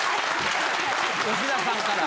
吉田さんから。